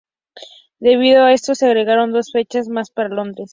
Debido a esto, se agregaron dos fechas más para Londres.